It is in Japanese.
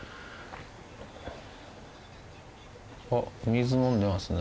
あっ水飲んでますね。